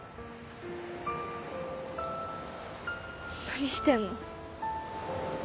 何してんの？